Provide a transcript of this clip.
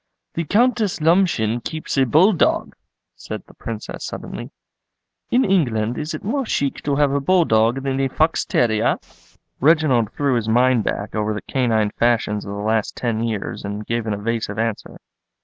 "The Countess Lomshen keeps a bull dog," said the Princess suddenly. "In England is it more chic to have a bull dog than a fox terrier?" Reginald threw his mind back over the canine fashions of the last ten years and gave an evasive answer.